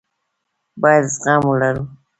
بايد زغم ولرو.